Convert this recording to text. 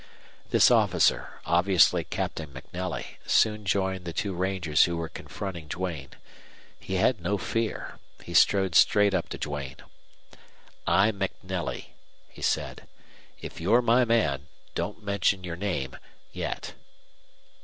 This officer, obviously Captain MacNelly, soon joined the two rangers who were confronting Duane. He had no fear. He strode straight up to Duane. "I'm MacNelly," he said. "If you're my man, don't mention your name yet."